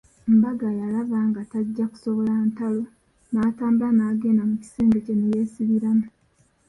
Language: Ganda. Mbaaga yalaba tajja kusobola ntalo n'atambula n'agenda mu kisenge kye ne yeesibiramu.